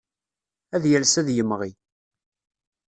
Ad yales ad d-yemɣi.